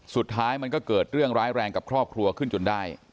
สุดท้ายมันก็เกิดเรื่องร้ายแรงกับครอบครัวขึ้นจนได้